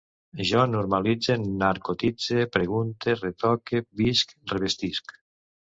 Jo normalitze, narcotitze, pregunte, retoque, visc, revestisc